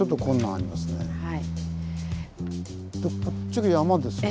でこっちが山ですね。